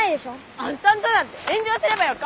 あんたんとなんてえん上すればよか。